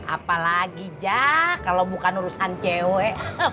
apalagi jah kalau bukan urusan cewek